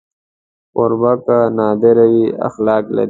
کوربه که نادار وي، اخلاق لري.